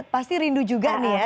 pasti rindu juga nih ya